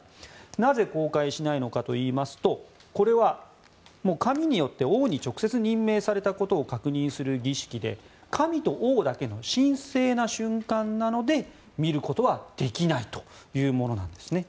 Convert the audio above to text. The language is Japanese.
なぜ公開しないのかといいますとこれは神によって王に直接任命されたことを確認する儀式で神と王だけの神聖な瞬間なので見ることはできないというものなんですね。